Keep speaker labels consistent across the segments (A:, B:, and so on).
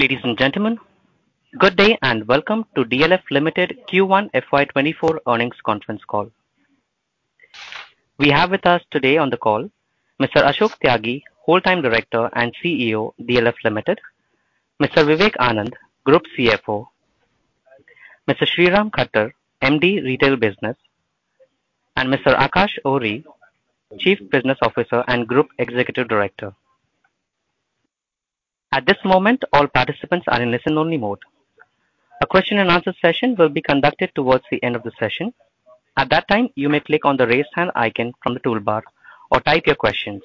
A: Ladies and gentlemen, good day and welcome to DLF Limited Q1 FY 2024 earnings conference call. We have with us today on the call Mr. Ashok Tyagi, Whole-time Director and CEO, DLF Limited; Mr. Vivek Anand, Group CFO; Mr. Sriram Khattar, MD, Retail Business; and Mr. Aakash Ohri, Chief Business Officer and Group Executive Director. At this moment, all participants are in listen-only mode. A question and answer session will be conducted towards the end of the session. At that time, you may click on the Raise Hand icon from the toolbar or type your questions.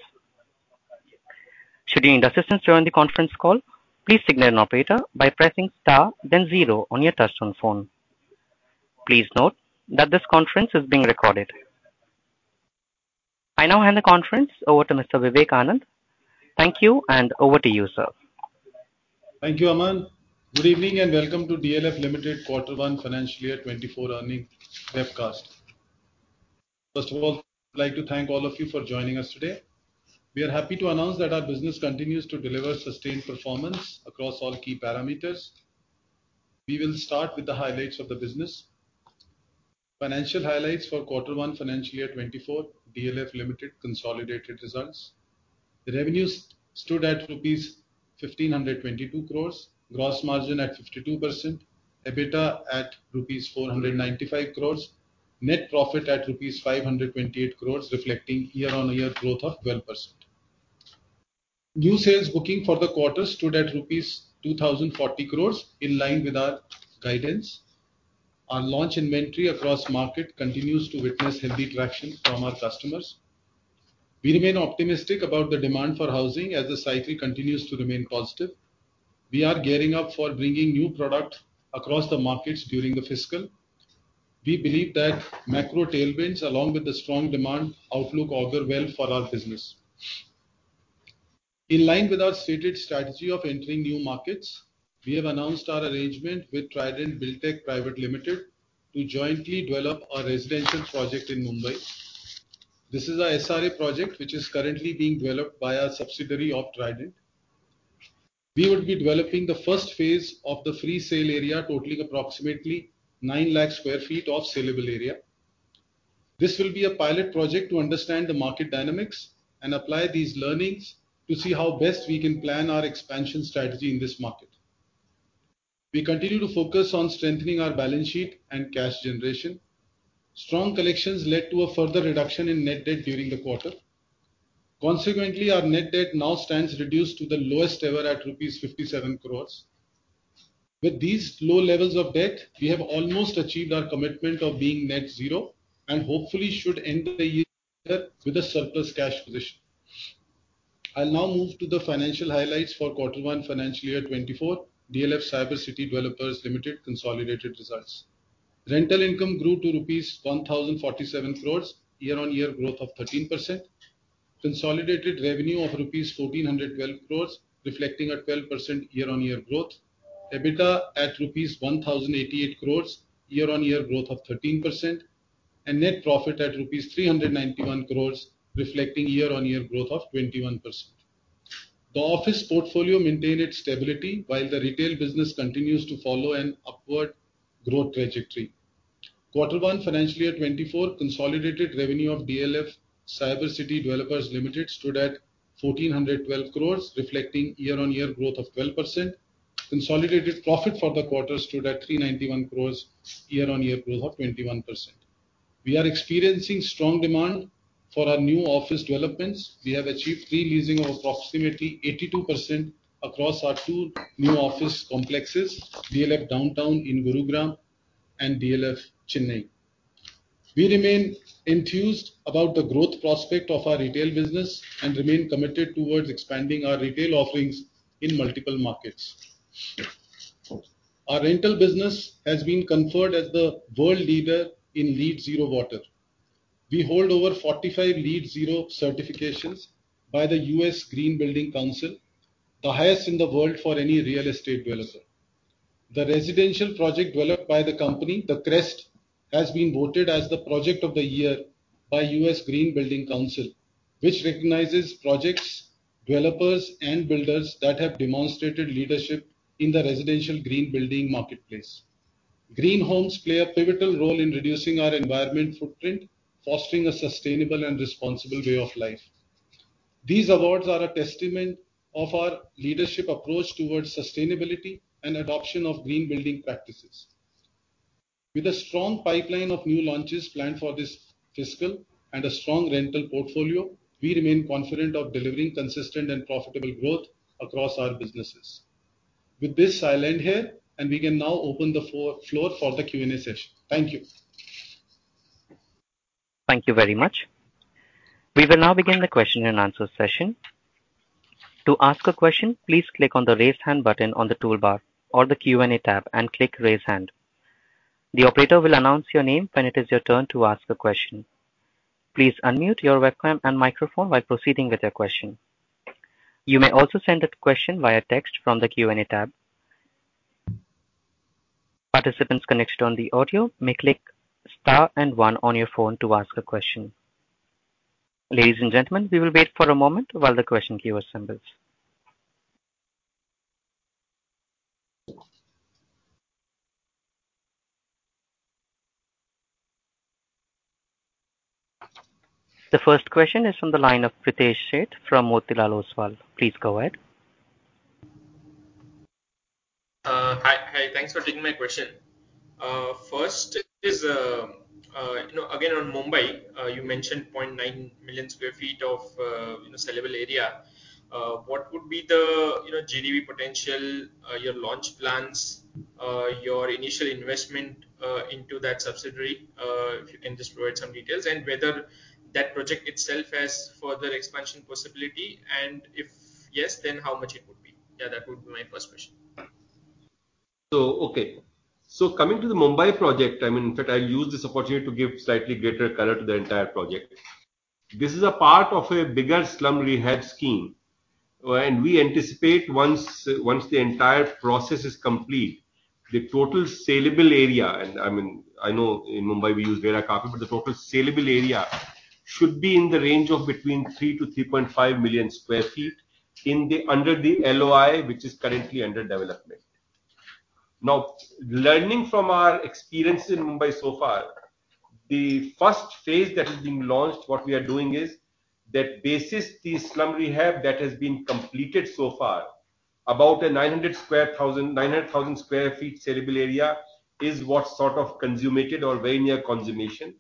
A: Should you need assistance during the conference call, please signal an operator by pressing Star then zero on your touchtone phone. Please note that this conference is being recorded. I now hand the conference over to Mr. Vivek Anand. Thank you, and over to you, sir.
B: Thank you, Aman. Good evening, and welcome to DLF Limited Quarter 1 financial year 2024 earnings webcast. First of all, I'd like to thank all of you for joining us today. We are happy to announce that our business continues to deliver sustained performance across all key parameters. We will start with the highlights of the business. Financial highlights for Quarter 1 financial year 2024, DLF Limited consolidated results. The revenues stood at rupees 1,522 crores, gross margin at 52%, EBITDA at rupees 495 crores, net profit at rupees 528 crores, reflecting year-on-year growth of 12%. New sales booking for the quarter stood at rupees 2,040 crores, in line with our guidance. Our launch inventory across market continues to witness healthy traction from our customers. We remain optimistic about the demand for housing as the cycle continues to remain positive. We are gearing up for bringing new product across the markets during the fiscal. We believe that macro tailwinds, along with the strong demand outlook, augur well for our business. In line with our stated strategy of entering new markets, we have announced our arrangement with Trident Buildtech Private Limited, to jointly develop a residential project in Mumbai. This is our SRA project, which is currently being developed by a subsidiary of Trident. We would be developing the first phase of the free sale area, totaling approximately 900,000 sq ft of sellable area. This will be a pilot project to understand the market dynamics and apply these learnings to see how best we can plan our expansion strategy in this market. We continue to focus on strengthening our balance sheet and cash generation. Strong collections led to a further reduction in net debt during the quarter. Our net debt now stands reduced to the lowest ever at rupees 57 crores. With these low levels of debt, we have almost achieved our commitment of being net zero and hopefully should end the year with a surplus cash position. I'll now move to the financial highlights for quarter one financial year 2024, DLF Cyber City Developers Limited consolidated results. Rental income grew to rupees 1,047 crores, year-on-year growth of 13%. Consolidated revenue of rupees 1,412 crores, reflecting a 12% year-on-year growth. EBITDA at rupees 1,088 crores, year-on-year growth of 13%, and net profit at rupees 391 crores, reflecting year-on-year growth of 21%. The office portfolio maintained its stability, while the retail business continues to follow an upward growth trajectory. Q1 financial year 2024, consolidated revenue of DLF Cyber City Developers Limited stood at 1,412 crores, reflecting year-on-year growth of 12%. Consolidated profit for the quarter stood at 391 crores, year-on-year growth of 21%. We are experiencing strong demand for our new office developments. We have achieved pre-leasing of approximately 82% across our two new office complexes, DLF Downtown in Gurugram and DLF Chennai. We remain enthused about the growth prospect of our retail business and remain committed towards expanding our retail offerings in multiple markets. Our rental business has been conferred as the world leader in LEED Zero Water. We hold over 45 LEED Zero certifications by the U.S. Green Building Council, the highest in the world for any real estate developer. The residential project developed by the company, The Crest, has been voted as the project of the year by U.S. Green Building Council, which recognizes projects, developers, and builders that have demonstrated leadership in the residential green building marketplace. Green homes play a pivotal role in reducing our environment footprint, fostering a sustainable and responsible way of life. These awards are a testament of our leadership approach towards sustainability and adoption of green building practices. With a strong pipeline of new launches planned for this fiscal and a strong rental portfolio, we remain confident of delivering consistent and profitable growth across our businesses. With this, I'll end here, We can now open the floor for the Q&A session. Thank you.
A: Thank you very much. We will now begin the question and answer session. To ask a question, please click on the Raise Hand button on the toolbar or the Q&A tab and click Raise Hand. The operator will announce your name when it is your turn to ask a question. Please unmute your webcam and microphone while proceeding with your question. You may also send a question via text from the Q&A tab. Participants connected on the audio, may click star and one on your phone to ask a question. Ladies and gentlemen, we will wait for a moment while the question queue assembles. The first question is from the line of Pritesh Sheth, from Motilal Oswal. Please go ahead.
C: Hi. Hi, thanks for taking my question. First is, you know, again, on Mumbai, you mentioned 0.9 million sq ft of, you know, sellable area. What would be the, you know, GDV potential, your launch plans, your initial investment, into that subsidiary? Whether that project itself has further expansion possibility, and if yes, then how much it would be? Yeah, that would be my first question.
D: Okay. Coming to the Mumbai project, I mean, in fact, I'll use this opportunity to give slightly greater color to the entire project. This is a part of a bigger slum rehab scheme, where and we anticipate once the entire process is complete, the total sellable area, and I mean, I know in Mumbai we use built-up area, but the total sellable area should be in the range of between 3 million-3.5 million sq ft under the LOI, which is currently under development. Learning from our experience in Mumbai so far, the first phase that is being launched, what we are doing is, that basis, the slum rehab that has been completed so far, about a 900,000 sq ft sellable area is what's sort of consummated or very near consummation.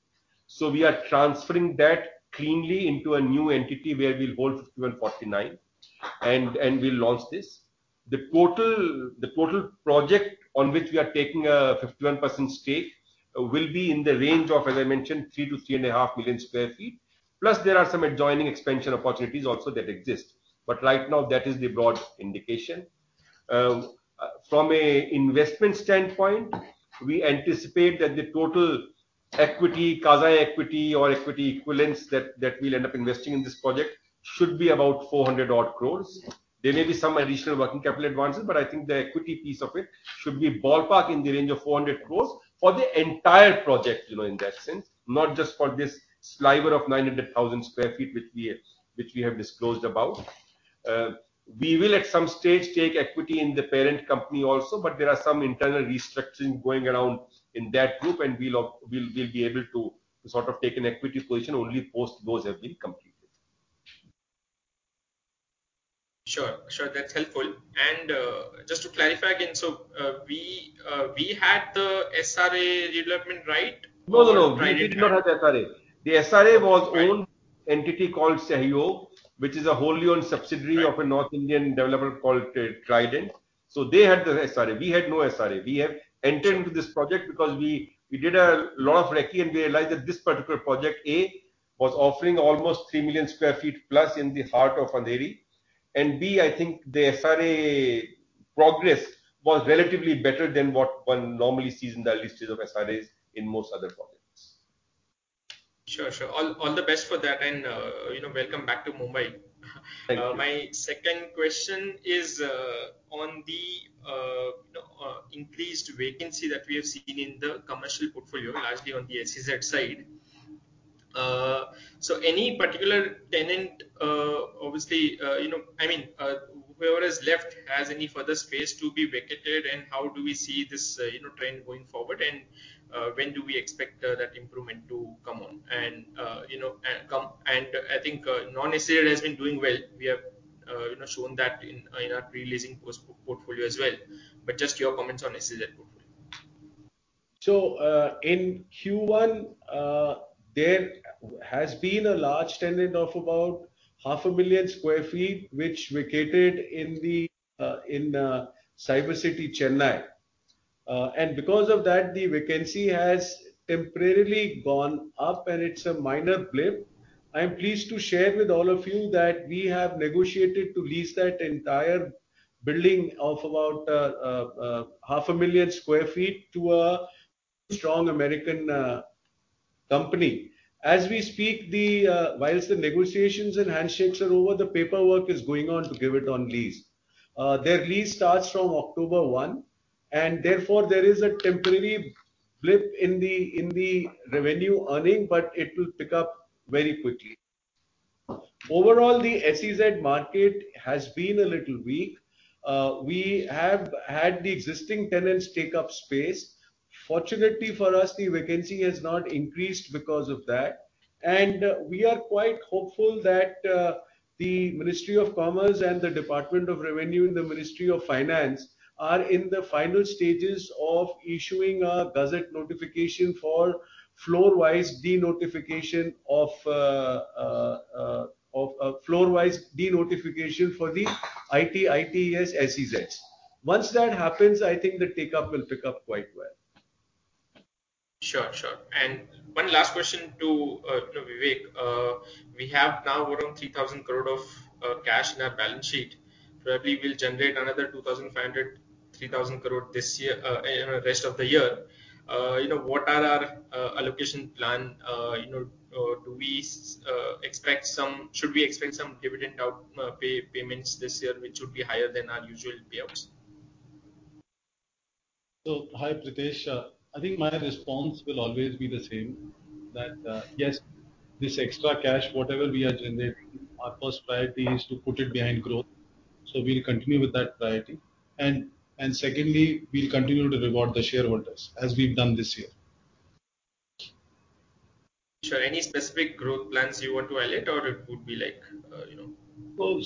D: We are transferring that cleanly into a new entity where we'll hold 51-49, and we'll launch this. The total project on which we are taking a 51% stake will be in the range of, as I mentioned, 3 million-3.5 million sq ft. Plus, there are some adjoining expansion opportunities also that exist, but right now that is the broad indication. From an investment standpoint, we anticipate that the total equity, quasi equity or equity equivalents that we'll end up investing in this project should be about 400 odd crores. There may be some additional working capital advances, but I think the equity piece of it should be ballpark in the range of 400 crores for the entire project, you know, in that sense, not just for this sliver of 900,000 sq ft which we have disclosed about. We will, at some stage, take equity in the parent company also, but there are some internal restructuring going around in that group, and we'll be able to sort of take an equity position only post those have been completed.
C: Sure. Sure, that's helpful. Just to clarify again, we had the SRA development, right?
D: No, no.
C: Right.
D: We did not have SRA. The SRA was owned-
C: Right...
D: entity called Sahyog, which is a wholly owned subsidiary-
C: Right...
D: of a North Indian developer called Trident. They had the SRA. We had no SRA. We have entered into this project because we did a lot of recce, and we realized that this particular project, A, was offering almost 3 million sq ft plus in the heart of Andheri, B, I think the SRA progress was relatively better than what one normally sees in the list of SRAs in most other projects
C: Sure. All the best for that. You know, welcome back to Mumbai.
D: Thank you.
C: My second question is on the increased vacancy that we have seen in the commercial portfolio, largely on the SEZ side. Any particular tenant, obviously, you know, I mean, whoever is left, has any further space to be vacated, and how do we see this, you know, trend going forward? When do we expect that improvement to come on? I think non-SEZ has been doing well. We have, you know, shown that in our pre-leasing post portfolio as well. Just your comments on SEZ portfolio.
D: In Q1, there has been a large tenant of about half a million square feet, which vacated in the Cyber City, Chennai. Because of that, the vacancy has temporarily gone up, and it's a minor blip. I am pleased to share with all of you that we have negotiated to lease that entire building of about half a million square feet to a strong American company. As we speak, the whilst the negotiations and handshakes are over, the paperwork is going on to give it on lease. Their lease starts from October 1, and therefore there is a temporary blip in the revenue earning, but it will pick up very quickly. Overall, the SEZ market has been a little weak. We have had the existing tenants take up space. Fortunately for us, the vacancy has not increased because of that. We are quite hopeful that the Ministry of Commerce and the Department of Revenue, and the Ministry of Finance are in the final stages of issuing a gazette notification for floor-wise denotification of a floor-wise denotification for the IT, ITeS, SEZs. Once that happens, I think the take-up will pick up quite well.
C: Sure, sure. One last question to Vivek. We have now around 3,000 crore of cash in our balance sheet, where we will generate another 2,500-3,000 crore this year, rest of the year. You know, what are our allocation plan? You know, do we should we expect some dividend out payments this year, which would be higher than our usual payouts?
B: Hi, Pritesh. I think my response will always be the same, that, yes, this extra cash, whatever we are generating, our first priority is to put it behind growth. We'll continue with that priority. Secondly, we'll continue to reward the shareholders, as we've done this year.
C: Sure. Any specific growth plans you want to highlight, or it would be like, you know?
B: Well,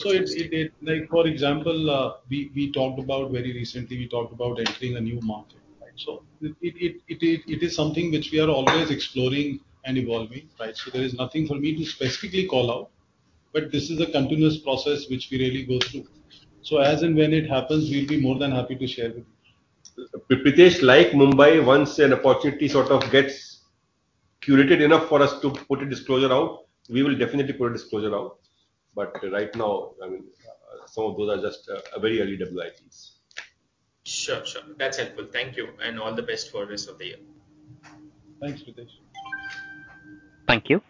B: like, for example, we talked about very recently, we talked about entering a new market, right? It is something which we are always exploring and evolving, right? There is nothing for me to specifically call out, but this is a continuous process which we really go through. As and when it happens, we'll be more than happy to share with you.
D: Pritesh, like Mumbai, once an opportunity sort of gets curated enough for us to put a disclosure out, we will definitely put a disclosure out. Right now, I mean, some of those are just very early WIs.
C: Sure, sure. That's helpful. Thank you, and all the best for the rest of the year.
B: Thanks, Pritesh.
A: Thank you.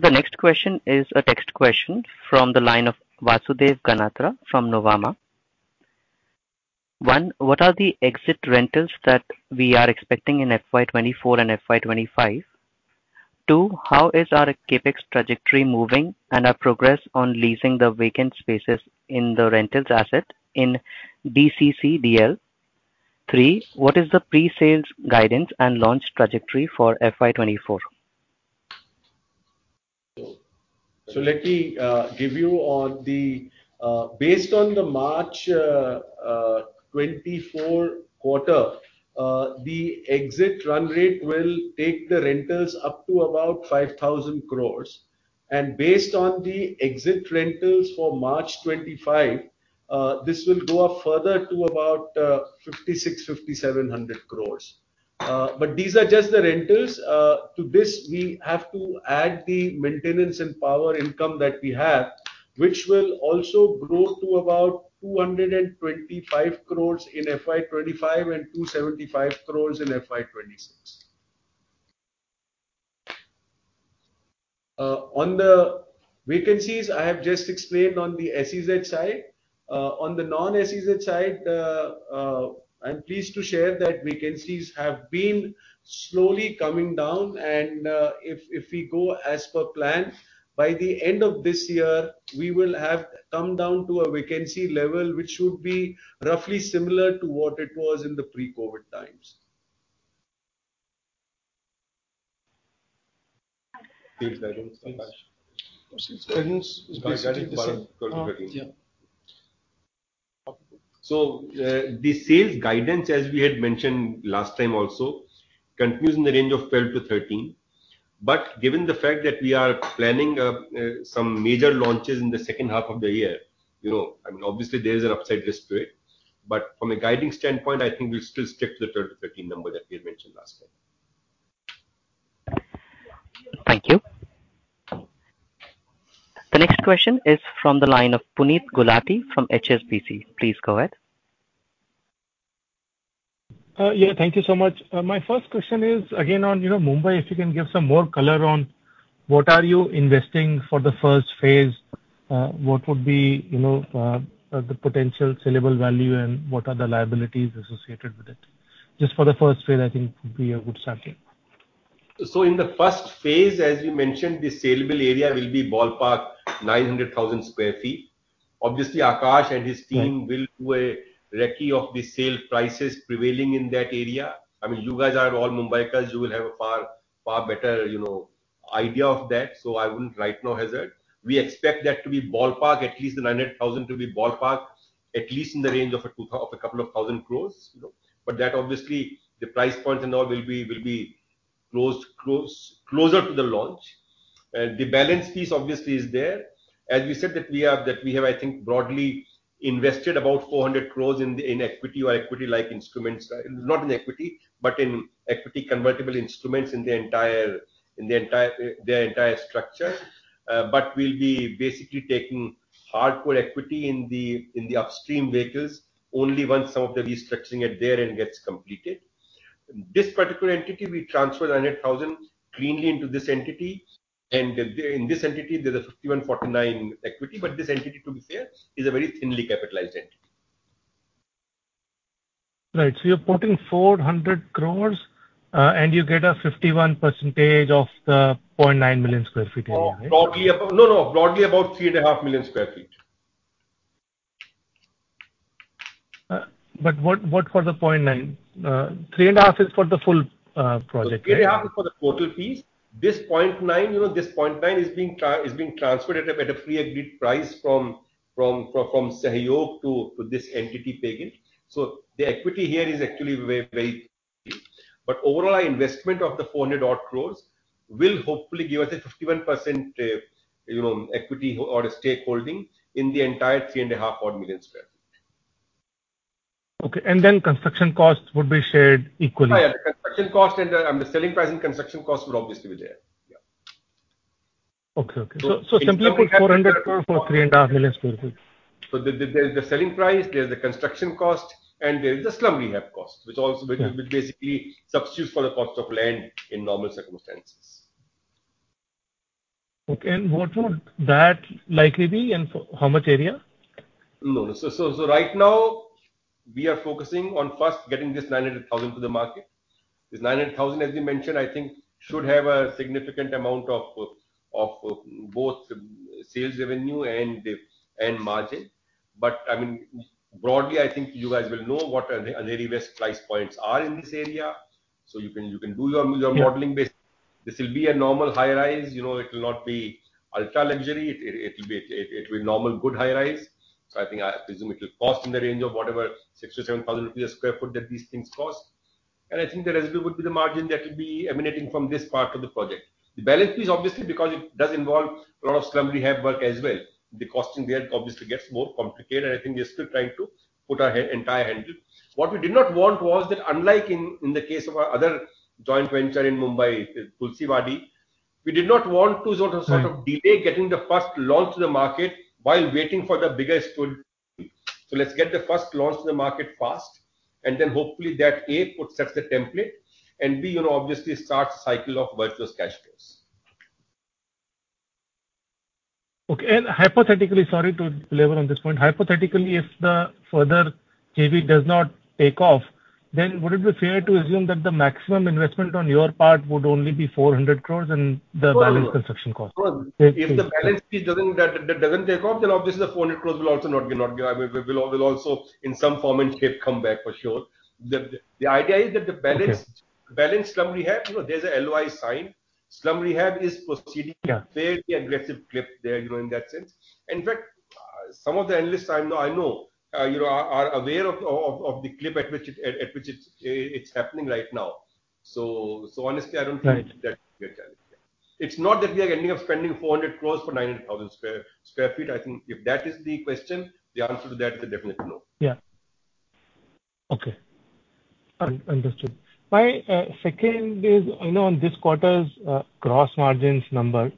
A: The next question is a text question from the line of Vasudev Ganatra from Nuvama. One, what are the exit rentals that we are expecting in FY 2024 and FY 2025? Two, how is our CapEx trajectory moving and our progress on leasing the vacant spaces in the rentals asset in DCCDL? Three, what is the pre-sales guidance and launch trajectory for FY 2024?
D: Let me give you on the Based on the March 2024 quarter, the exit run rate will take the rentals up to about 5,000 crores. Based on the exit rentals for March 2025, this will go up further to about 5,600-5,700 crores. These are just the rentals. To this, we have to add the maintenance and power income that we have, which will also grow to about 225 crores in FY 2025 and 275 crores in FY 2026. On the vacancies, I have just explained on the SEZ side. On the non-SEZ side, I'm pleased to share that vacancies have been slowly coming down, and if we go as per plan, by the end of this year, we will have come down to a vacancy level, which should be roughly similar to what it was in the pre-COVID times.
B: Sales guidance, Aakash?
D: Sales guidance is basically the same.
B: Yeah.
D: The sales guidance, as we had mentioned last time also, continues in the range of 12 to 13. Given the fact that we are planning some major launches in the second half of the year, you know, I mean, obviously there is an upside risk to it. From a guiding standpoint, I think we'll still stick to the 12 to 13 number that we had mentioned last time.
A: Thank you. The next question is from the line of Puneet Gulati from HSBC. Please go ahead.
E: Yeah, thank you so much. My first question is, again, on, you know, Mumbai, if you can give some more color on what are you investing for the first phase? What would be, you know, the potential saleable value, and what are the liabilities associated with it? Just for the first phase, I think would be a good starting.
D: In the first phase, as you mentioned, the saleable area will be ballpark 900,000 square ft. Obviously, Aakash and his team.
E: Right.
D: Will do a recce of the sale prices prevailing in that area. I mean, you guys are all Mumbaikars, you will have a far, far better, you know, idea of that, so I wouldn't right now hazard. We expect that to be ballpark, at least the 900,000 to be ballpark, at least in the range of 2,000 crores, you know. That, obviously, the price points and all will be closer to the launch. The balance piece, obviously, is there. As we said, that we have, that we have, I think, broadly invested about 400 crores in equity or equity-like instruments, not in equity, but in equity convertible instruments in the entire structure. We'll be basically taking hardcore equity in the upstream vehicles only once some of the restructuring at their end gets completed. This particular entity, we transferred 900,000 cleanly into this entity, and in this entity, there's a 51-49 equity, but this entity, to be fair, is a very thinly capitalized entity.
E: Right. you're putting 400 crores, and you get a 51% of the 0.9 million sq ft area, right?
D: broadly about 3.5 million sq ft.
E: What for the 0.9? Three and a half is for the full project, right?
D: Three and a half is for the total piece. This 0.9, you know, this 0.9 is being transferred at a pre-agreed price from Sahyog to this entity, Pegeen. The equity here is actually very. Overall, our investment of the 400 odd crores will hopefully give us a 51%, you know, equity or a stakeholding in the entire three and a half odd million square feet.
E: Okay, construction costs would be shared equally?
D: Oh, yeah. The construction cost and the selling price and construction cost will obviously be there.
E: Okay. Simply put, 400 crore for 3.5 million sq ft.
D: There's the selling price, there's the construction cost, and there is the slum rehab cost, which also.
E: Yeah.
D: which basically substitutes for the cost of land in normal circumstances.
E: Okay, what would that likely be, and for how much area?
D: No. Right now, we are focusing on first getting this 900,000 to the market. This 900,000, as we mentioned, I think should have a significant amount of both sales revenue and the, and margin. I mean, broadly, I think you guys will know what Andheri West price points are in this area, so you can do your modeling.
E: Yeah.
D: This will be a normal high-rise, you know, it will not be ultra-luxury. It will be normal, good high-rise. I think, I presume it will cost in the range of whatever 6,000-7,000 rupees a sq ft that these things cost. I think the residue would be the margin that will be emanating from this part of the project. The balance is obviously because it does involve a lot of slum rehab work as well. The costing there obviously gets more complicated, and I think we are still trying to put our head and tie our hands. What we did not want was that unlike in the case of our other joint venture in Mumbai, Tulsiwadi, we did not want to sort of.
E: Right
D: ..sort of delay getting the first launch to the market while waiting for the bigger spool. Let's get the first launch to the market fast, and then hopefully that, A, would set the template, and B, you know, obviously start cycle of virtuous cash flows.
E: Okay. Hypothetically, sorry to belabor on this point. Hypothetically, if the further JV does not take off, would it be fair to assume that the maximum investment on your part would only be 400 crores and the balance construction cost?
D: No, no. If the balance piece doesn't take off, then obviously the 400 crores will also not be. will also in some form and shape come back for sure. The idea is that the balance.
E: Okay.
D: balance slum rehab, you know, there's an LOI sign. Slum rehab is proceeding.
E: Yeah
D: Fairly aggressive clip there, you know, in that sense. In fact, some of the analysts I know, you know, are aware of the clip at which it's happening right now. Honestly, I don't think that.
E: Right.
D: It's not that we are ending up spending 400 crore for 900,000 sq ft. I think if that is the question, the answer to that is a definite no.
E: Yeah. Okay. Understood. My second is, you know, on this quarter's gross margins number.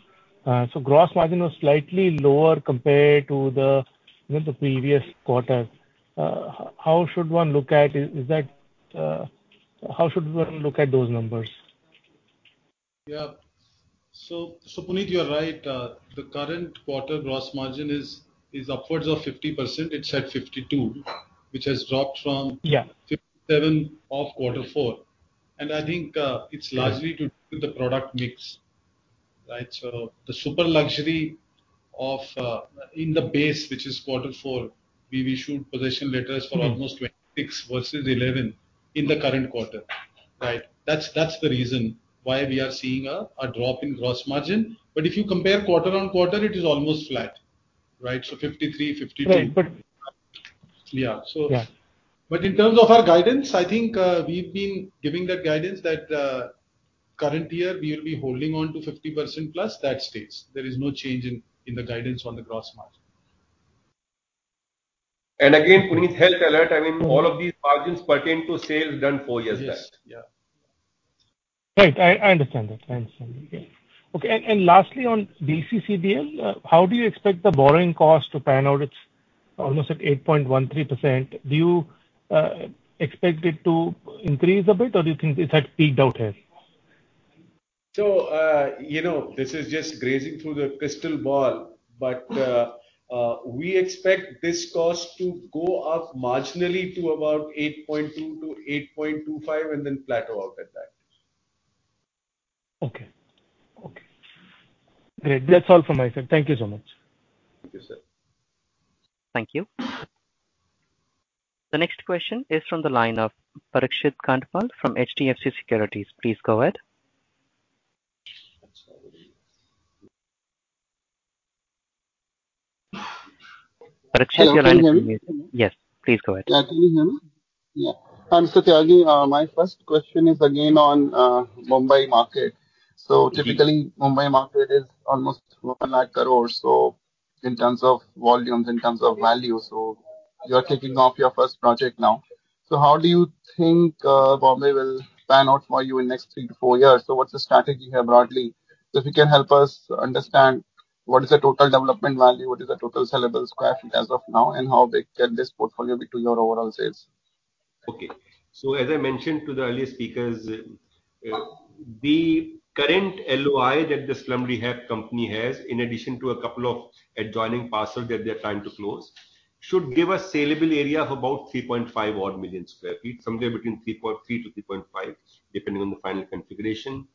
E: Gross margin was slightly lower compared to the, you know, the previous quarter. Is that how should one look at those numbers?
D: Puneet, you're right. The current quarter gross margin is upwards of 50%. It's at 52, which has dropped from-
E: Yeah.
D: 57 of quarter four. I think it's largely to do with the product mix, right? The super luxury of in the base, which is quarter four, we showed possession letters-
E: Mm-hmm.
D: For almost 26% versus 11% in the current quarter, right? That's the reason why we are seeing a drop in gross margin. If you compare quarter-on-quarter, it is almost flat, right? 53%, 52%.
E: Right.
D: Yeah.
E: Yeah.
D: In terms of our guidance, I think, we've been giving that guidance that, current year we will be holding on to 50% plus, that stays. There is no change in the guidance on the gross margin. Again, Puneet, health alert, I mean, all of these margins pertain to sales done 4 years back.
E: Yes. Yeah. Right. I understand that. I understand, yeah. Okay, lastly, on DCCDL, how do you expect the borrowing cost to pan out? It's almost at 8.13%. Do you expect it to increase a bit, or do you think it has peaked out here?
D: You know, this is just grazing through the crystal ball, but, we expect this cost to go up marginally to about 8.2-8.25, and then plateau out at that.
E: Okay. Okay. Great. That's all from my side. Thank you so much.
D: Thank you, sir.
A: Thank you. The next question is from the line of Parikshit Kandpal from HDFC Securities. Please go ahead. Parikshit, you're unmuted.
F: Hello?
A: Yes, please go ahead.
F: Can you hear me? Yeah. Hi, Tyagi. My first question is again on Mumbai market.
D: Mm-hmm.
F: Typically, Mumbai market is almost 1 lakh crore in terms of volumes, in terms of value. You are kicking off your first project now. How do you think Mumbai will pan out for you in the next 3-4 years? What's the strategy here broadly? If you can help us understand what is the total development value, what is the total sellable sq ft as of now, and how big can this portfolio be to your overall sales?
D: Okay. As I mentioned to the earlier speakers, the current LOI that the slum rehab company has, in addition to a couple of adjoining parcels that they're trying to close, should give a saleable area of about 3.5 odd million square feet, somewhere between 3.3-3.5, depending on the final configuration.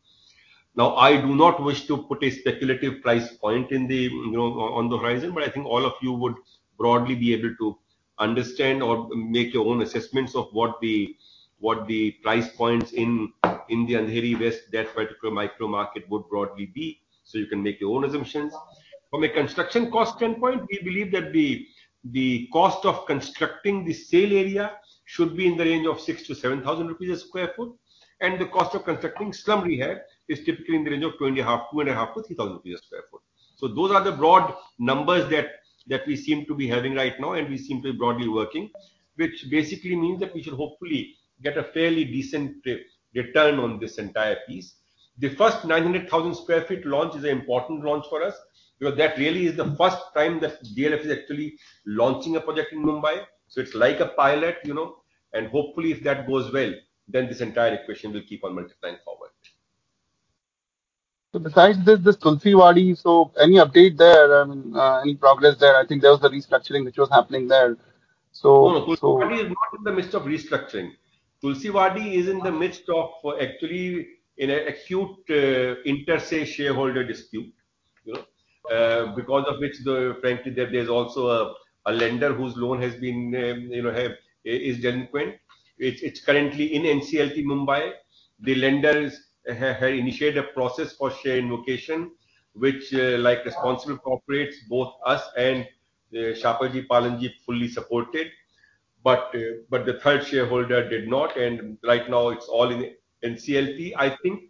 D: I do not wish to put a speculative price point in the, you know, on the horizon, but I think all of you would broadly be able to understand or make your own assessments of what the price points in India, Andheri East, that particular micro market would broadly be. You can make your own assumptions. From a construction cost standpoint, we believe that the cost of constructing the sale area should be in the range of 6,000-7,000 rupees a sq ft. The cost of constructing slum rehab is typically in the range of 2,500-3,000 rupees a sq ft. Those are the broad numbers that we seem to be having right now, and we seem to be broadly working, which basically means that we should hopefully get a fairly decent return on this entire piece. The first 900,000 sq ft launch is an important launch for us, because that really is the first time that DLF is actually launching a project in Mumbai. It's like a pilot, you know, and hopefully if that goes well, then this entire equation will keep on multiplying forward.
F: Besides this Tulsiwadi, so any update there? Any progress there? I think there was the restructuring which was happening there.
D: No, Tulsiwadi is not in the midst of restructuring. Tulsiwadi is in the midst of actually in an acute, inter se shareholder dispute, you know, because of which, frankly, there's also a lender whose loan has been, you know, is delinquent. It's currently in NCLT, Mumbai. The lenders have initiated a process for share invocation, which, like responsible corporates, both us and Shapoorji Pallonji fully supported, but the third shareholder did not, and right now it's all in NCLT. I think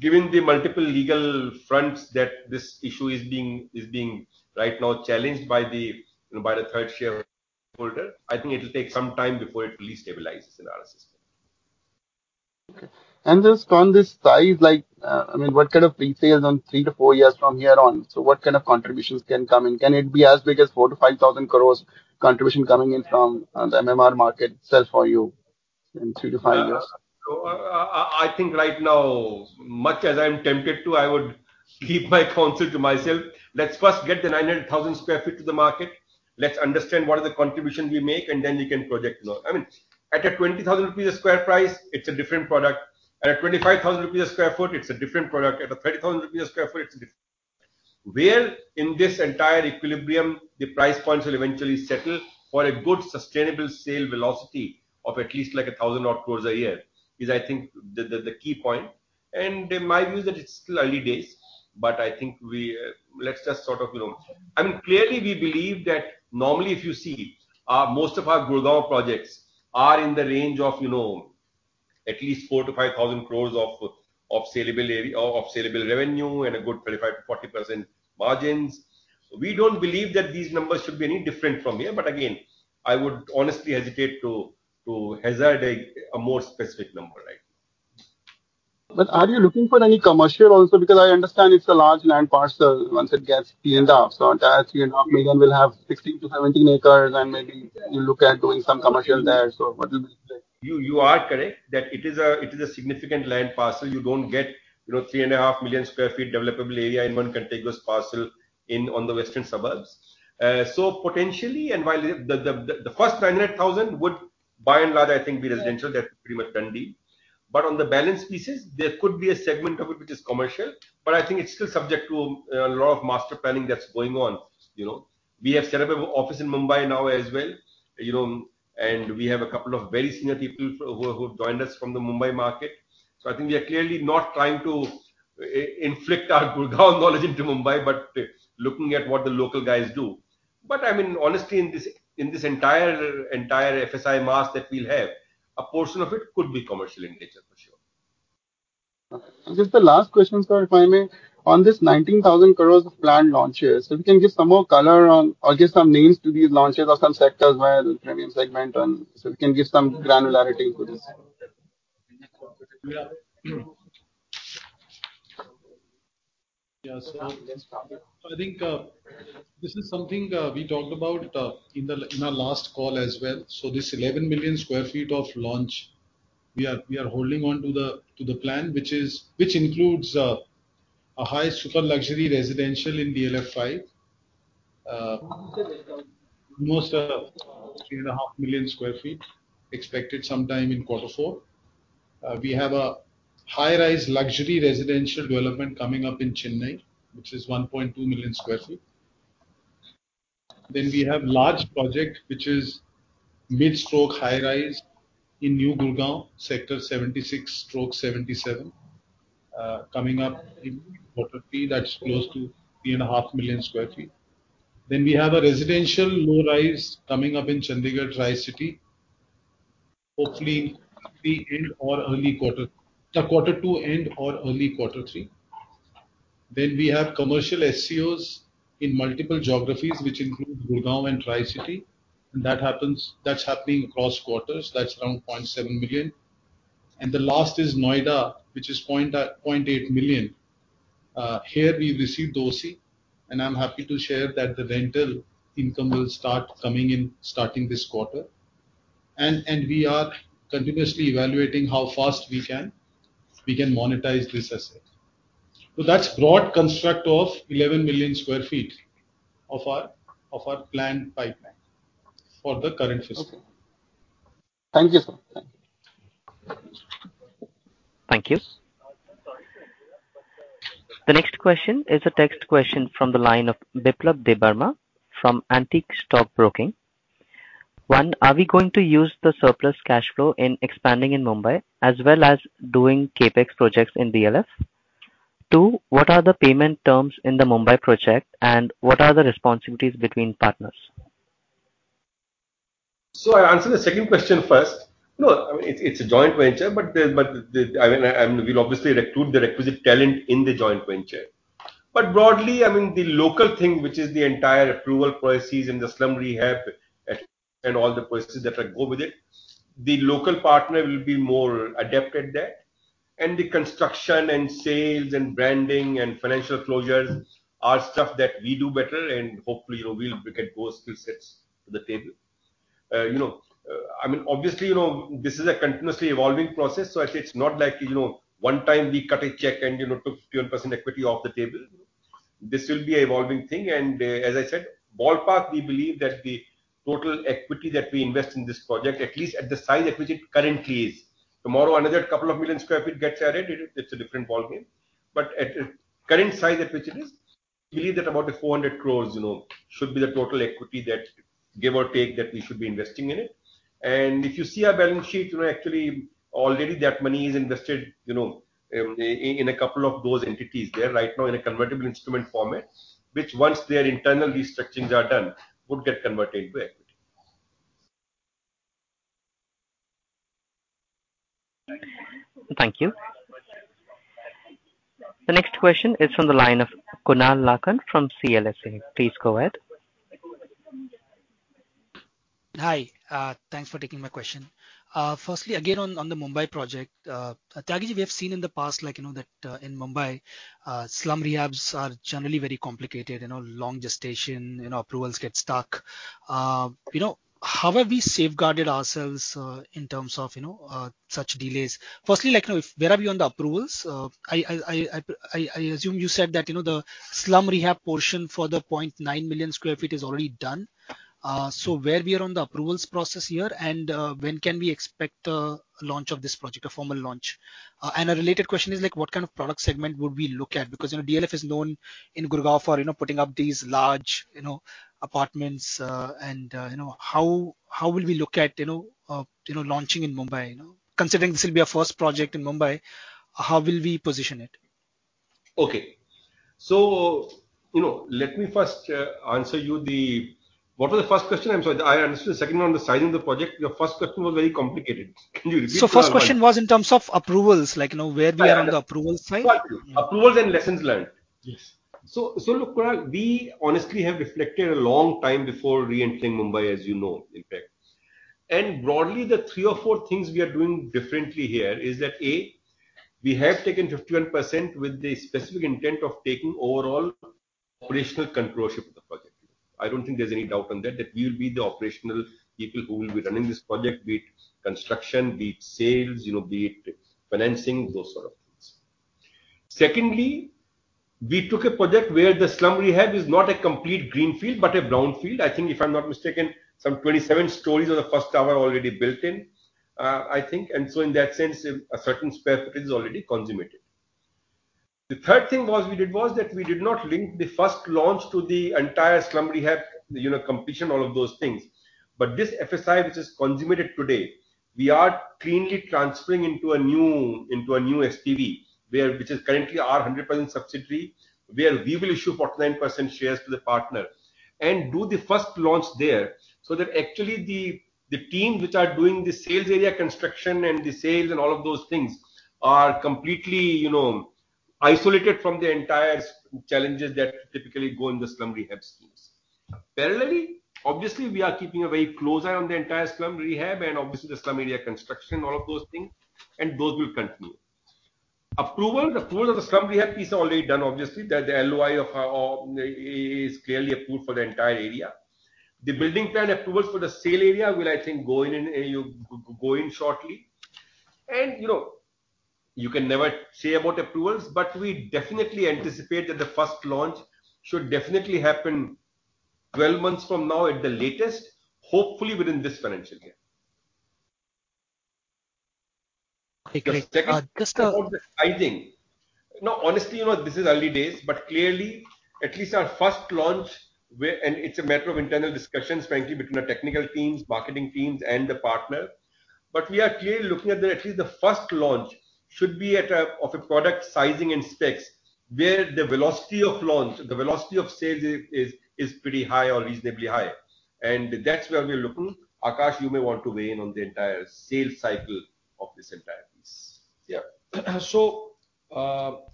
D: given the multiple legal fronts that this issue is being right now challenged by the third shareholder, I think it will take some time before it really stabilizes in our system.
F: Okay. Just on this size, like, I mean, what kind of pre-sales on 3-4 years from here on? What kind of contributions can come in? Can it be as big as 4,000-5,000 crores contribution coming in from the MMR market itself for you in 3-5 years?
D: I think right now, much as I'm tempted to, I would keep my counsel to myself. Let's first get the 900,000 sq ft to the market. Let's understand what are the contributions we make, and then we can project more. I mean, at a 20,000 rupees a square price, it's a different product. At a 25,000 rupees a sq ft, it's a different product. At a 30,000 rupees a sq ft, it's different. Where in this entire equilibrium the price points will eventually settle for a good sustainable sale velocity of at least like a 1,000 odd crores a year, is I think the key point, and in my view that it's still early days, but I think we, let's just sort of, you know... I mean, clearly, we believe that normally if you see, most of our Gurgaon projects are in the range of, you know, at least 4,000-5,000 crores of saleable area, or of saleable revenue and a good 35%-40% margins. We don't believe that these numbers should be any different from here, but again, I would honestly hesitate to hazard a more specific number, right?
F: Are you looking for any commercial also? I understand it's a large land parcel once it gets cleaned up. Entire 3.5 million will have 16-17 acres, and maybe you look at doing some commercial there. What will be like?
D: You are correct that it is a significant land parcel. You don't get, you know, 3.5 million sq ft developable area in one contiguous parcel in, on the western suburbs. Potentially, while the first 900,000 would by and large, I think, be residential, that's pretty much done deal. On the balance pieces, there could be a segment of it which is commercial, but I think it's still subject to a lot of master planning that's going on, you know. We have set up an office in Mumbai now as well, you know, and we have a couple of very senior people who have joined us from the Mumbai market. I think we are clearly not trying to inflict our Gurugram knowledge into Mumbai, but looking at what the local guys do. I mean, honestly, in this entire FSI mass that we'll have, a portion of it could be commercial in nature, for sure.
F: Okay. Just the last question, sir, if I may. On this 19,000 crores of planned launches, so if you can give some more color on or give some names to these launches or some sectors where maybe segment on, so we can give some granularity to this?
D: Yeah. Yeah, I think, this is something we talked about in our last call as well. This 11 million sq ft of launch, we are holding on to the plan, which is, which includes a high super luxury residential in DLF Five. Almost 3.5 million sq ft, expected sometime in Q4. We have a high-rise luxury residential development coming up in Chennai, which is 1.2 million sq ft. We have large project, which is mid/high rise in New Gurgaon, Sector 76/77, coming up in Q3, that's close to 3.5 million sq ft. We have a residential low rise coming up in Chandigarh, Tri-City. Hopefully, the end or early quarter, Q2, end or early Q3. We have commercial SCOs in multiple geographies, which include Gurgaon and Tri-City, and that happens, that's happening across quarters. That's around 0.7 million. The last is Noida, which is 0.8 million. Here we received OC, and I'm happy to share that the rental income will start coming in starting this quarter. We are continuously evaluating how fast we can monetize this asset. That's broad construct of 11 million sq ft of our, of our planned pipeline for the current fiscal.
F: Okay. Thank you, sir.
A: Thank you. The next question is a text question from the line of Biplab Debbarma from Antique Stock Broking. 1. Are we going to use the surplus cash flow in expanding in Mumbai, as well as doing CapEx projects in DLF? 2. What are the payment terms in the Mumbai project, and what are the responsibilities between partners?
D: I answer the second question first. No, it's a joint venture, but the, we'll obviously recruit the requisite talent in the joint venture. Broadly, the local thing, which is the entire approval processes and the slum rehab, and all the processes that go with it, the local partner will be more adept at that. The construction, and sales, and branding, and financial closures are stuff that we do better, and hopefully, you know, we can bring those skill sets to the table. You know, obviously, you know, this is a continuously evolving process, so I'd say it's not like, you know, one time we cut a check and, you know, took 51% equity off the table. This will be a evolving thing. As I said, ballpark, we believe that the total equity that we invest in this project, at least at the size at which it currently is. Tomorrow, another couple of million sq ft gets added, it's a different ballgame. At the current size at which it is, we believe that about 400 crores, you know, should be the total equity that, give or take, that we should be investing in it. If you see our balance sheet, you know, actually, already that money is invested, you know, in a couple of those entities there right now in a convertible instrument format, which once their internal restructurings are done, would get converted to equity.
A: Thank you. The next question is from the line of Kunal Lakhan from CLSA. Please go ahead.
G: Hi, thanks for taking my question. Firstly, again, on the Mumbai project, Tyagi, we have seen in the past, like, you know, that, in Mumbai, slum rehabs are generally very complicated, you know, long gestation, you know, approvals get stuck. You know, how have we safeguarded ourselves, in terms of, you know, such delays? Firstly, like, you know, where are we on the approvals? I assume you said that, you know, the slum rehab portion for the 0.9 million square feet is already done. So where we are on the approvals process here, and when can we expect the launch of this project, a formal launch? A related question is, like, what kind of product segment would we look at? You know, DLF is known in Gurgaon for, you know, putting up these large, you know, apartments, and, you know, how will we look at, you know, launching in Mumbai, you know? Considering this will be our first project in Mumbai, how will we position it?
D: Okay. you know, let me first. What was the first question? I'm sorry. I understood the second one, the sizing of the project. Your first question was very complicated. Can you repeat it for me?
G: First question was in terms of approvals, like, you know, where we are on the approvals side.
D: Got you. Approvals and lessons learned.
G: Yes.
D: Look, Kunal, we honestly have reflected a long time before reentering Mumbai, as you know, in fact. Broadly, the 3 or 4 things we are doing differently here is that, A, we have taken 51% with the specific intent of taking overall operational control-ship of the project. I don't think there's any doubt on that we will be the operational people who will be running this project, be it construction, be it sales, you know, be it financing, those sort of things. Secondly, we took a project where the slum rehab is not a complete greenfield, but a brownfield. I think, if I'm not mistaken, some 27 stories of the first tower are already built in, I think, in that sense, a certain square footage is already consummated. The third thing was, we did was, that we did not link the first launch to the entire slum rehab, you know, completion, all of those things. This FSI, which is consummated today, we are cleanly transferring into a new, into a new SPV, where, which is currently our 100% subsidiary, where we will issue 49% shares to the partner and do the first launch there. That actually the team which are doing the sales area construction and the sales and all of those things are completely, you know, isolated from the entire challenges that typically go in the slum rehab schemes. Parallelly, obviously, we are keeping a very close eye on the entire slum rehab and obviously the slum area construction, all of those things, and those will continue. The approvals of the slum rehab piece are already done, obviously. The LOI of is clearly approved for the entire area. The building plan approvals for the sale area will, I think, go in shortly. You know, you can never say about approvals, but we definitely anticipate that the first launch should definitely happen 12 months from now at the latest, hopefully within this financial year.
G: Okay, great. Just.
D: No, honestly, you know, this is early days, but clearly, at least our first launch, and it's a matter of internal discussions, frankly, between the technical teams, marketing teams, and the partner. We are clearly looking at the, at least the first launch should be at a, of a product sizing and specs, where the velocity of launch, the velocity of sales is pretty high or reasonably high. That's where we're looking. Aakash, you may want to weigh in on the entire sales cycle of this entire piece. Yeah.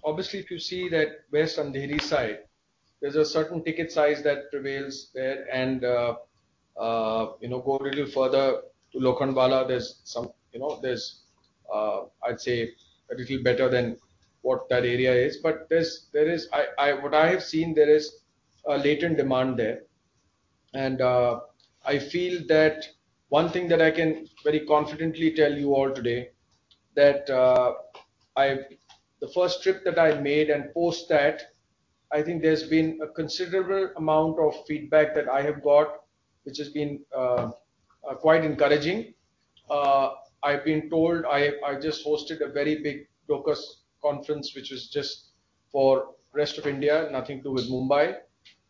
H: Obviously, if you see that West Andheri side, there's a certain ticket size that prevails there, and, you know, go a little further to Lokhandwala, there's some, you know, there's, I'd say a little better than what that area is. There's, what I have seen, there is a latent demand there. I feel that one thing that I can very confidently tell you all today, that the first trip that I made, and post that, I think there's been a considerable amount of feedback that I have got, which has been quite encouraging. I've been told I just hosted a very big brokers' conference, which was just for rest of India, nothing to do with Mumbai,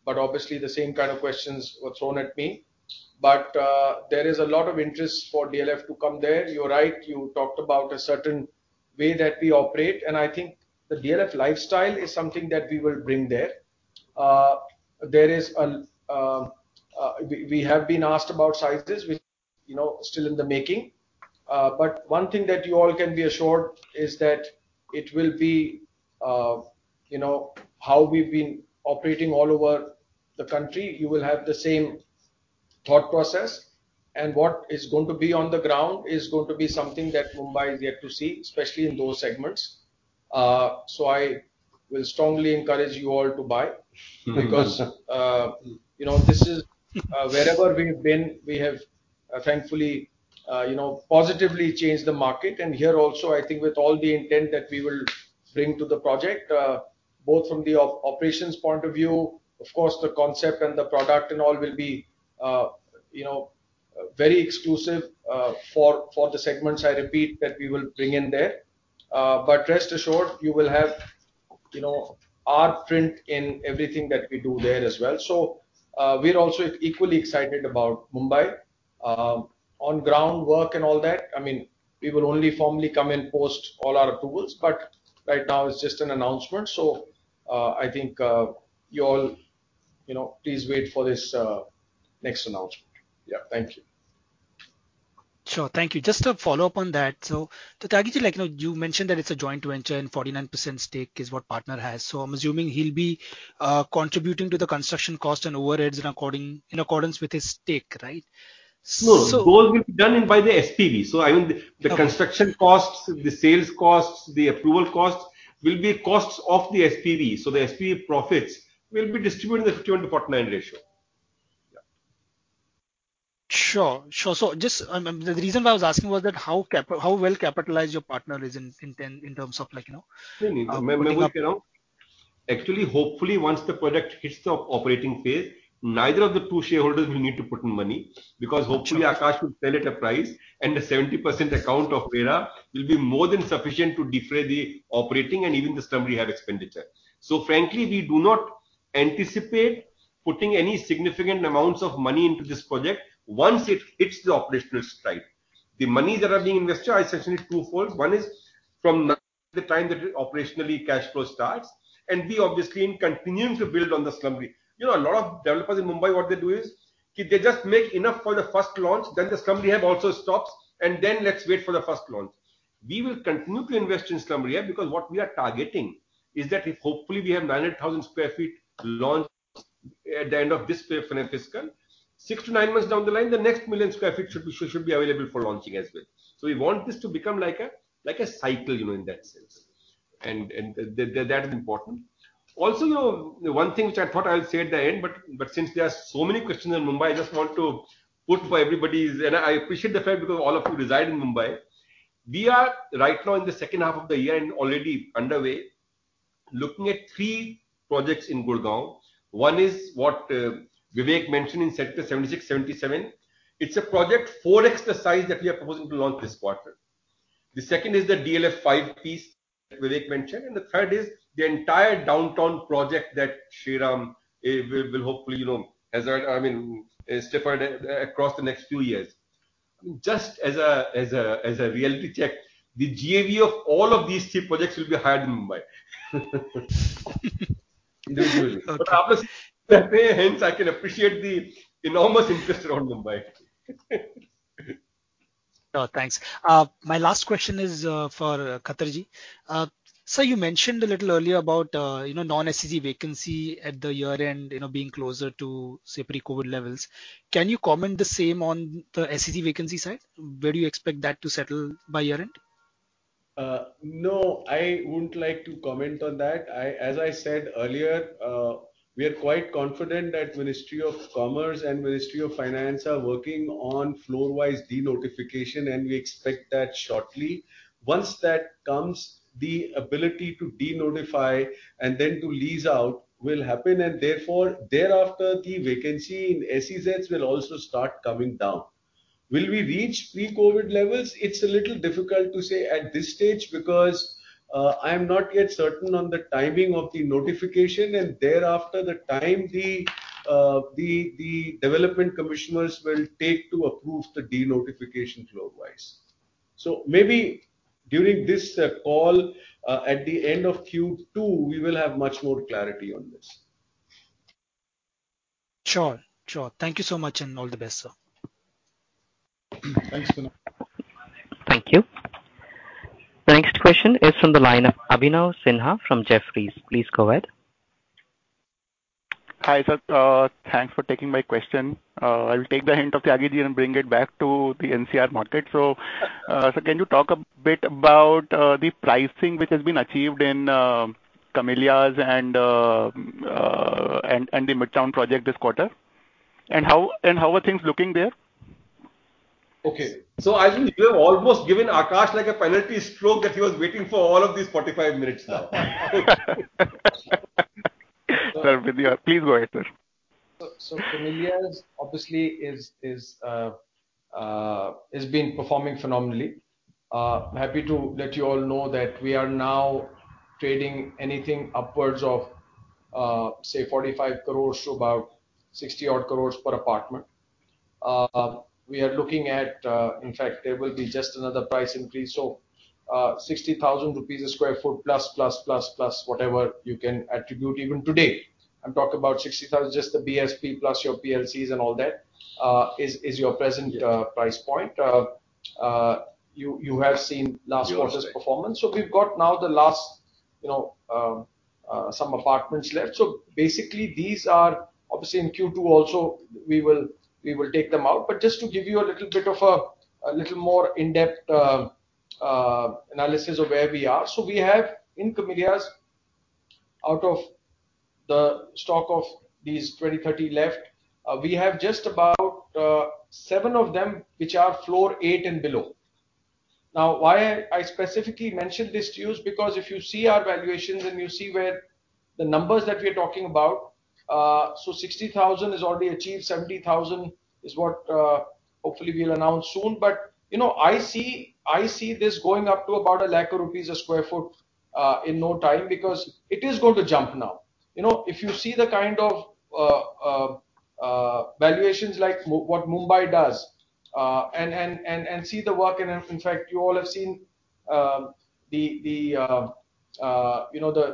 H: but obviously the same kind of questions were thrown at me. There is a lot of interest for DLF to come there. You're right, you talked about a certain way that we operate, and I think the DLF lifestyle is something that we will bring there. e have been asked about sizes, which, you know, still in the making. One thing that you all can be assured is that it will be, you know, how we've been operating all over the country, you will have the same thought process, and what is going to be on the ground is going to be something that Mumbai is yet to see, especially in those segments. I will strongly encourage you all to buy. Because, you know, wherever we've been, we have, thankfully, you know, positively changed the market. Here also, I think with all the intent that we will bring to the project, both from the operations point of view, of course, the concept and the product and all will be, you know, very exclusive, for the segments, I repeat, that we will bring in there. Rest assured, you will have, you know, our print in everything that we do there as well. We're also equally excited about Mumbai. On ground work and all that, I mean, we will only formally come in post all our approvals, but right now it's just an announcement. I think, you all, you know, please wait for this next announcement. Yeah. Thank you.
G: Sure. Thank you. Just to follow up on that, so to Tyagi, like, you know, you mentioned that it's a joint venture, and 49% stake is what partner has. I'm assuming he'll be contributing to the construction cost and overheads in accordance with his stake, right?
D: No, those will be done in by the SPV. I mean.
G: Okay...
D: the construction costs, the sales costs, the approval costs, will be costs of the SPV. The SPV profits will be distributed in the 70-49 ratio. Yeah.
G: Sure, sure. Just, the reason why I was asking was that, how well capitalized your partner is in terms of like, you know.
D: No, no, actually, hopefully, once the project hits the operating phase, neither of the two shareholders will need to put in money, because hopefully…
G: Okay
D: Aakash will sell at a price, the 70% account of RERA will be more than sufficient to defray the operating and even the slum rehab expenditure. Frankly, we do not anticipate putting any significant amounts of money into this project once it hits the operational stride. The monies that are being invested, are essentially twofold. One is, from the time that the operationally cash flow starts, B, obviously, in continuing to build on the slum area. You know, a lot of developers in Mumbai, what they do is, they just make enough for the first launch, then the slum rehab also stops, and then let's wait for the first launch. We will continue to invest in slum area, because what we are targeting is that if hopefully we have 900,000 sq ft launched at the end of this financial fiscal, 6-9 months down the line, the next 1 million sq ft should be available for launching as well. We want this to become like a cycle, you know, in that sense. That is important. Also, you know, one thing which I thought I'll say at the end, but since there are so many questions on Mumbai, I just want to put for everybody's... I appreciate the fact because all of you reside in Mumbai. We are right now in the second half of the year and already underway, looking at 3 projects in Gurugram. One is what Vivek mentioned in sector 76, 77. It's a project 4x the size that we are proposing to launch this quarter. The second is the DLF 5 piece, Vivek mentioned, and the third is the entire downtown project that Shriram will hopefully, you know, as I mean, step out across the next few years. Just as a reality check, the GAV of all of these three projects will be higher than Mumbai. Individually.
G: Okay.
D: Hence, I can appreciate the enormous interest around Mumbai.
G: Thanks. My last question is for Khattarji. Sir, you mentioned a little earlier about, you know, non-SBZ vacancy at the year-end, you know, being closer to, say, pre-COVID levels. Can you comment the same on the SBZ vacancy side? Where do you expect that to settle by year-end?
I: No, I wouldn't like to comment on that. As I said earlier, we are quite confident that Ministry of Commerce and Ministry of Finance are working on floor-wise denotification. We expect that shortly. Once that comes, the ability to denotify and then to lease out will happen. Therefore, thereafter, the vacancy in SCZs will also start coming down. Will we reach pre-COVID levels? It's a little difficult to say at this stage because I am not yet certain on the timing of the notification. Thereafter, the time the development commissioners will take to approve the denotification floor-wise. Maybe during this call, at the end of Q2, we will have much more clarity on this.
G: Sure, sure. Thank you so much, and all the best, sir.
D: Thanks, Vinay.
A: Thank you. The next question is from the line of Abhinav Sinha from Jefferies. Please go ahead.
J: Hi, sir. Thanks for taking my question. I will take the hint of Tyagiji and bring it back to the NCR market. Sir, can you talk a bit about the pricing which has been achieved in Camellias and the Midtown project this quarter? How are things looking there?
D: Okay. I think you have almost given Aakash Ohri like a penalty stroke that he was waiting for all of these 45 minutes now.
J: Please go ahead, sir.
H: Camellias, obviously, is been performing phenomenally. Happy to let you all know that we are now trading anything upwards of, say, 45 crores to about 60 odd crores per apartment. We are looking at, in fact, there will be just another price increase. 60,000 rupees a square foot plus whatever you can attribute even today. I'm talking about 60,000, just the BSP plus your PLCs and all that, is your present Price point. You have seen last quarter's performance. We've got now the last, you know, some apartments left. Basically, these are obviously in Q2 also, we will take them out. Just to give you a little more in-depth analysis of where we are. We have in Camellias, out of the stock of these 20, 30 left, we have just about 7 of them, which are floor 8 and below. Why I specifically mention this to you is because if you see our valuations and you see where the numbers that we're talking about, 60,000 is already achieved, 70,000 is what hopefully we'll announce soon. You know, I see this going up to about 1 lakh rupees a square foot in no time, because it is going to jump now. You know, if you see the kind of valuations like what Mumbai does, and see the work and in fact, you all have seen, you know,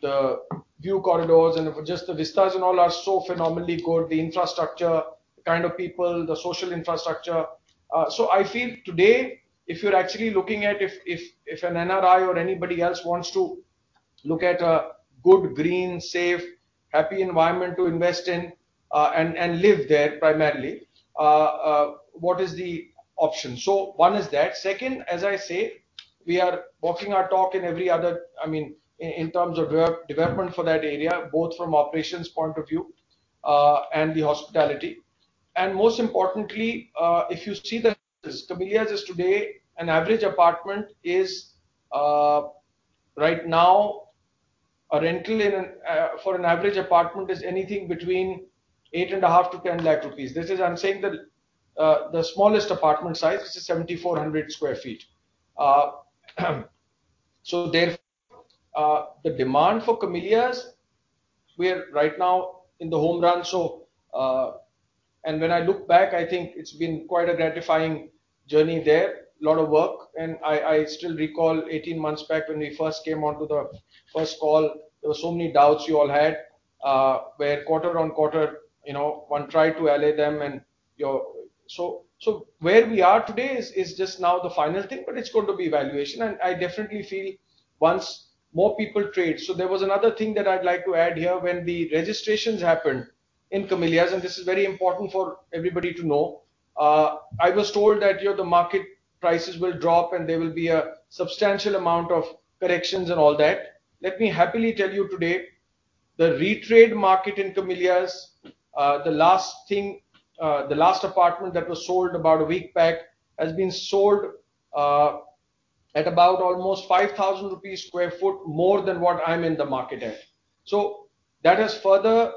H: the view corridors and just the vistas and all are so phenomenally good, the infrastructure, the kind of people, the social infrastructure. I feel today, if you're actually looking at if an NRI or anybody else wants to look at a good, green, safe, happy environment to invest in, and live there primarily, what is the option? One is that. Second, as I say, we are walking our talk in every other I mean, in terms of development for that area, both from operations point of view, and the hospitality. Most importantly, if you see The Camellias as today, an average apartment is right now, a rental in an for an average apartment is anything between eight and a half to 10 lakh rupees. This is, I'm saying that, the smallest apartment size, this is 7,400 sq ft. There, the demand for The Camellias, we are right now in the home run. When I look back, I think it's been quite a gratifying journey there. A lot of work, and I still recall 18 months back when we first came onto the first call, there were so many doubts you all had, where quarter on quarter, you know, one tried to allay them and your... Where we are today is just now the final thing, but it's going to be valuation, and I definitely feel once more people trade. There was another thing that I'd like to add here. When the registrations happened in The Camellias, and this is very important for everybody to know, I was told that, you know, the market prices will drop, and there will be a substantial amount of corrections and all that. Let me happily tell you today, the retrade market in The Camellias, the last thing, the last apartment that was sold about a week back, has been sold at about almost 5,000 rupees square foot, more than what I'm in the market at. That has further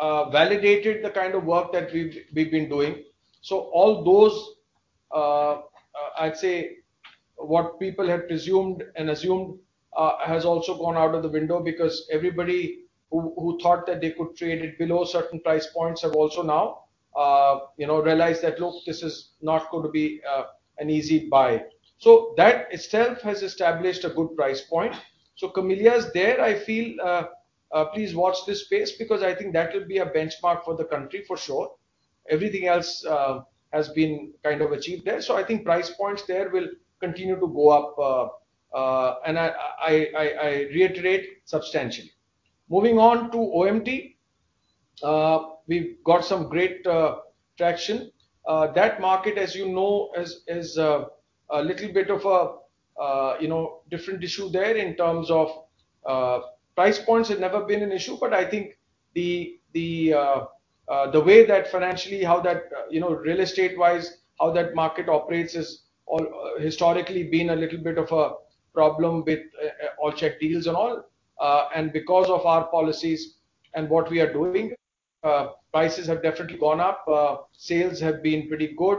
H: validated the kind of work that we've been doing. All those, I'd say what people had presumed and assumed has also gone out of the window because everybody who thought that they could trade it below certain price points have also now, you know, realized that, look, this is not going to be an easy buy. That itself has established a good price point. Camellias there, I feel, please watch this space because I think that will be a benchmark for the country for sure. Everything else has been kind of achieved there. I think price points there will continue to go up, and I reiterate, substantially. Moving on to OMT. We've got some great traction. That market, as you know, is a little bit of a, you know, different issue there in terms of price points had never been an issue, but I think the way that financially, how that, you know, real estate-wise, how that market operates has historically been a little bit of a problem with all check deals and all. Because of our policies and what we are doing, prices have definitely gone up, sales have been pretty good.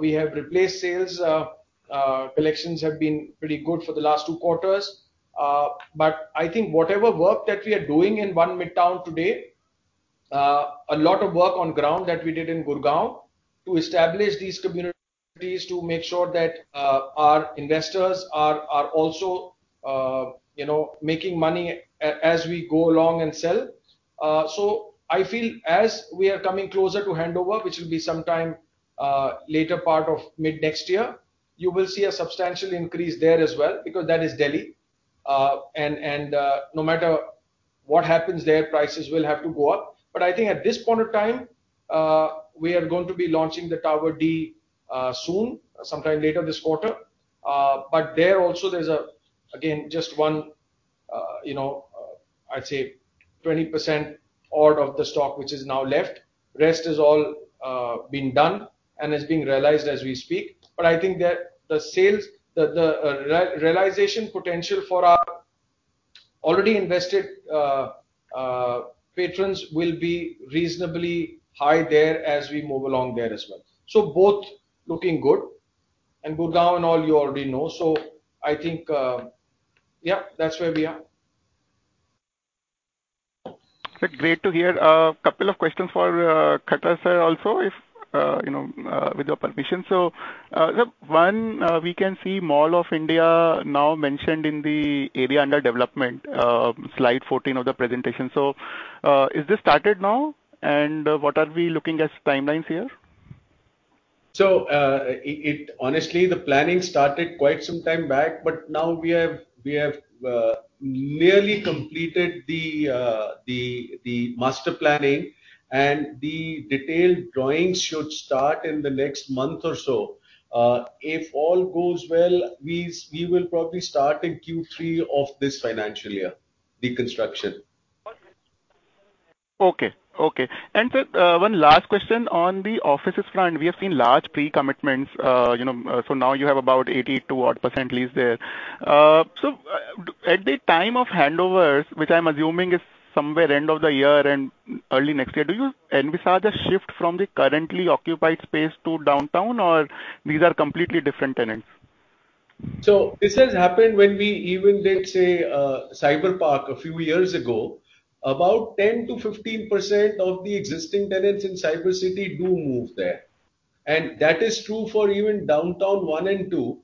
H: We have replaced sales, collections have been pretty good for the last two quarters. I think whatever work that we are doing in One Midtown today, a lot of work on ground that we did in Gurgaon to establish these communities, to make sure that our investors are also, you know, making money as we go along and sell. I feel as we are coming closer to handover, which will be sometime later part of mid-next year, you will see a substantial increase there as well, because that is Delhi. No matter what happens there, prices will have to go up. I think at this point of time, we are going to be launching the Tower D soon, sometime later this quarter. There also, there's again, just one, you know, I'd say 20% odd of the stock, which is now left. The rest is all been done and is being realized as we speak. I think that the sales, the realization potential for our already invested patrons will be reasonably high there as we move along there as well. Both looking good, and Gurgaon and all you already know. I think, yeah, that's where we are.
J: Great to hear. couple of questions for Khattar sir also, if, you know, with your permission. One, we can see Mall of India now mentioned in the area under development, slide 14 of the presentation. Is this started now? And what are we looking as timelines here?
K: it honestly, the planning started quite some time back, but now we have nearly completed the master planning, and the detailed drawings should start in the next month or so. If all goes well, we will probably start in Q3 of this financial year, the construction.
J: Okay, okay. Sir, 1 last question on the offices front. We have seen large pre-commitments, you know, now you have about 82 odd% lease there. At the time of handovers, which I'm assuming is somewhere end of the year and early next year, do you envisage a shift from the currently occupied space to Downtown, or these are completely different tenants?
I: This has happened when we even did, say, Cyberpark a few years ago. About 10%-15% of the existing tenants in Cybercity do move there, and that is true for even Downtown One and Two.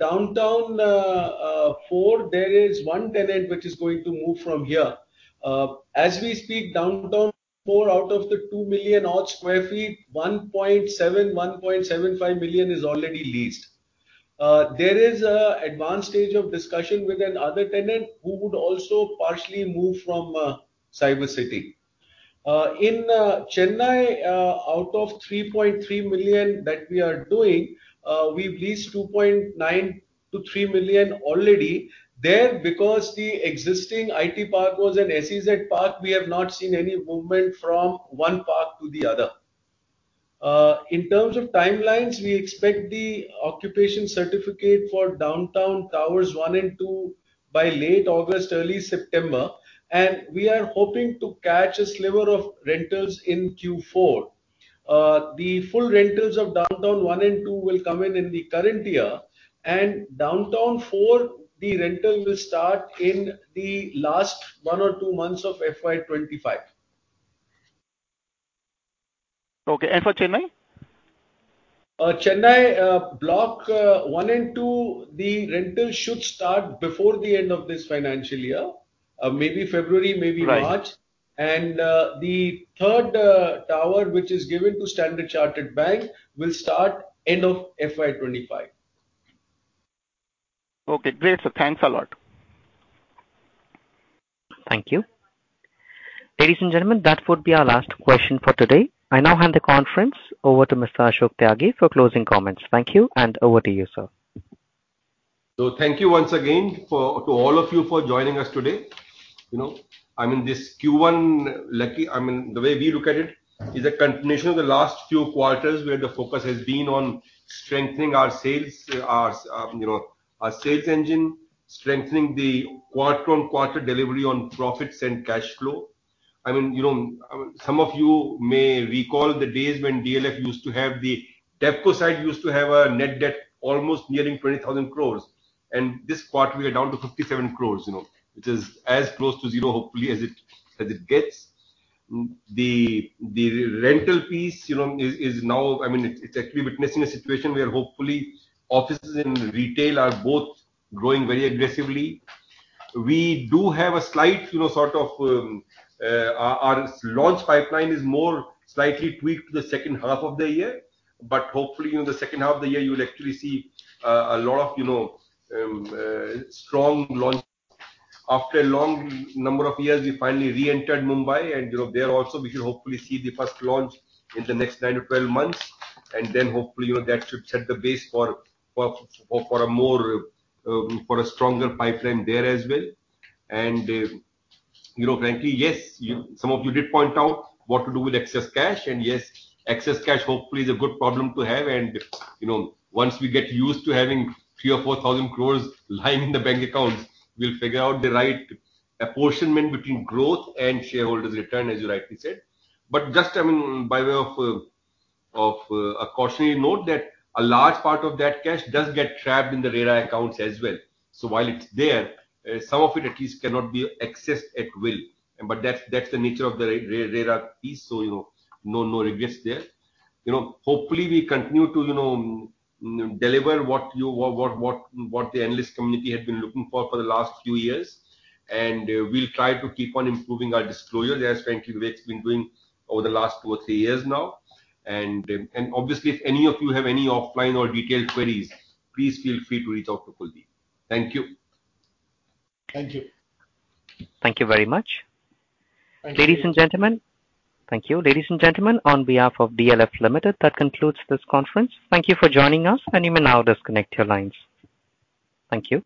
I: Downtown Four, there is one tenant which is going to move from here. As we speak, Downtown Four, out of the 2 million odd sq ft, 1.7-1.75 million is already leased. There is an advanced stage of discussion with another tenant who would also partially move from Cybercity. In Chennai, out of 3.3 million that we are doing, we've leased 2.9-3 million already. There, because the existing IT park was an SEZ park, we have not seen any movement from one park to the other.
K: In terms of timelines, we expect the occupation certificate for Downtown One and Two by late August, early September, and we are hoping to catch a sliver of rentals in Q4. The full rentals of Downtown One and Two will come in in the current year, and Downtown Four, the rental will start in the last 1 or 2 months of FY25.
J: Okay. For Chennai?
K: Chennai, Block 1 and 2, the rentals should start before the end of this financial year, maybe February, maybe March.
J: Right.
K: The third tower, which is given to Standard Chartered Bank, will start end of FY 25.
J: Okay, great, sir. Thanks a lot.
A: Thank you. Ladies and gentlemen, that would be our last question for today. I now hand the conference over to Mr. Ashok Tyagi for closing comments. Thank you, and over to you, sir.
D: Thank you once again to all of you for joining us today. You know, I mean, this Q1, lucky, I mean, the way we look at it, is a continuation of the last few quarters, where the focus has been on strengthening our sales, our, you know, our sales engine, strengthening the quarter-on-quarter delivery on profits and cash flow. I mean, you know, some of you may recall the days when DLF used to have the, DCCDL side used to have a net debt almost nearing 20,000 crore, and this quarter we are down to 57 crore, you know, which is as close to zero, hopefully, as it gets. The rental piece, you know, is now, I mean, it's actually witnessing a situation where hopefully offices and retail are both growing very aggressively. We do have a slight, you know, our launch pipeline is more slightly tweaked to the second half of the year. Hopefully, in the second half of the year, you will actually see a lot of, you know, strong launch. After a long number of years, we finally reentered Mumbai, and, you know, there also, we should hopefully see the first launch in the next 9-12 months. Hopefully, you know, that should set the base for a more, a stronger pipeline there as well. You know, frankly, yes, some of you did point out what to do with excess cash, and yes, excess cash hopefully is a good problem to have, and, you know, once we get used to having 3,000 or 4,000 crores lying in the bank accounts, we'll figure out the right apportionment between growth and shareholders' return, as you rightly said. Just, I mean, by way of a cautionary note, that a large part of that cash does get trapped in the RERA accounts as well. While it's there, some of it at least cannot be accessed at will, but that's the nature of the RERA piece, so, you know, no regrets there. You know, hopefully, we continue to, you know, deliver what you, what the analyst community had been looking for for the last few years. We'll try to keep on improving our disclosure, as frankly, we've been doing over the last two or three years now. Obviously, if any of you have any offline or detailed queries, please feel free to reach out to Kuldeep. Thank you.
A: Thank you. Thank you very much. Thank you. Ladies and gentlemen, on behalf of DLF Limited, that concludes this conference. Thank you for joining us, and you may now disconnect your lines. Thank you.